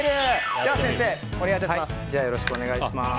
では先生、お願いします。